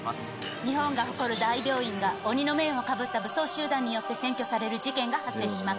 日本が誇る大病院が、鬼の面をかぶった武装集団によって占拠される事件が発生します。